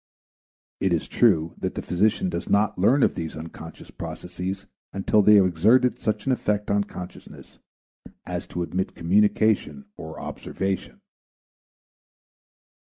It is true that the physician does not learn of these unconscious processes until they have exerted such an effect on consciousness as to admit communication or observation.